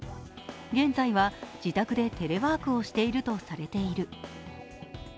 現在は自宅でテレワークをしているとされている。